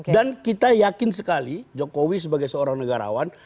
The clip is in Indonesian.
dan kita yakin sekali jokowi sebagai seorang negarawan